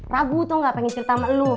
ragu tau gak pengen cerita sama lo